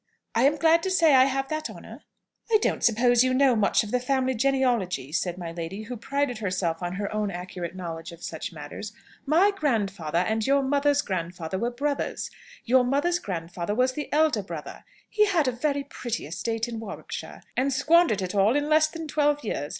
"I am glad to say I have that honour." "I don't suppose you know much of the family genealogy," said my lady, who prided herself on her own accurate knowledge of such matters. "My grandfather and your mother's grandfather were brothers. Your mother's grandfather was the elder brother. He had a very pretty estate in Warwickshire, and squandered it all in less than twelve years.